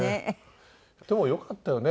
でもよかったよね。